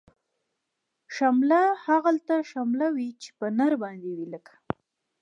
شمله هغلته شمله وی، چه په نرباندی وی لکه